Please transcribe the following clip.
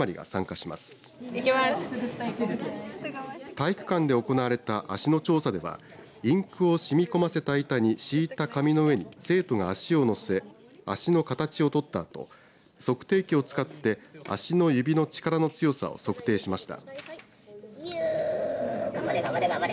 体育館で行われた足の調査ではインクをしみこませた板に敷いた紙の上に生徒が足を載せ足の形を通ったあと測定器を使って足の指の力の強さを測定しました。